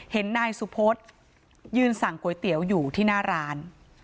เห็นนายสุพธยืนสั่งก๋วยเตี๋ยวอยู่ที่หน้าร้าน